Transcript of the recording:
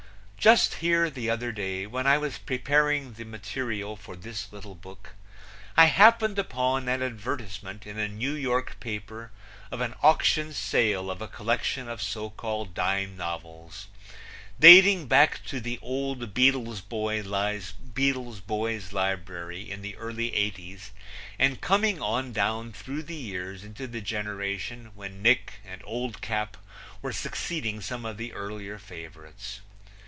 Just here the other day, when I was preparing the material for this little book, I happened upon an advertisement in a New York paper of an auction sale of a collection of so called dime novels, dating back to the old Beadle's Boy's Library in the early eighties and coming on down through the years into the generation when Nick and Old Cap were succeeding some of the earlier favorites.